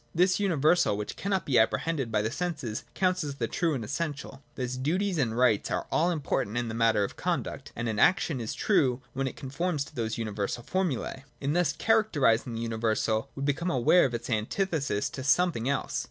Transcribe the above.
This universal which cannot be apprehended by the senses counts as the true and essential. Thus, duties and rights are all important in the matter of conduct : and an action is true when it conforms to those universal formulae. In thus characterising the universal, we become aware of its antithesis to something else.